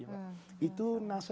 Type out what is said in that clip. untuk mendapatkan rasa terdesak